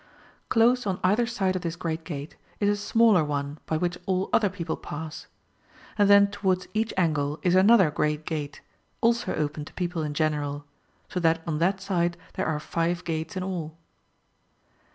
Close on either side of this great gate is a smaller one by which all other people pass ; and then towards each angle is another great gate, also open to people in general ; so that on that side there are five gates in all.